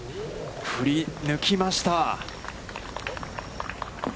振り抜きました。